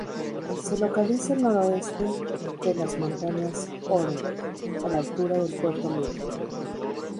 Se localiza al noroeste de las montañas Hornby, a la altura del puerto Mitre.